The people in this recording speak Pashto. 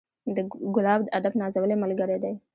ګلاب د ادب نازولی ملګری دی.